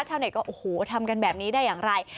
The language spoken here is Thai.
ชาวเน็ตก็โอ้โหทำกันแบบนี้ได้อย่างไร